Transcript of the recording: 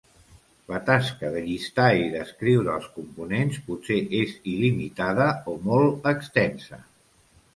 La tasca de llistar i descriure els components potser és il·limitada o molt extensa.